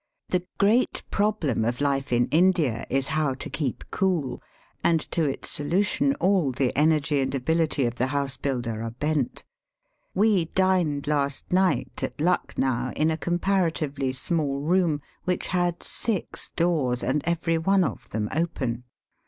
The great problem of life in India is how to keep cool^ and to its solution all the energy and abiUty of the housebuilder are bent. We dined last night at Lucknow in a comparatively small room, which had six doors, and every one of them open.